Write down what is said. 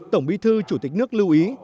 tổng bí thư chủ tịch nước lưu ý